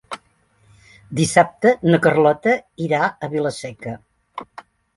Dissabte na Carlota irà a Vila-seca.